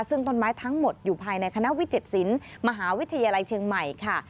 ซึ่งต้นไม้ทั้งหมดอยู่ภายในคณะวิจิตศิลป์มหาวิทยาลัยเชียงใหม่ค่ะ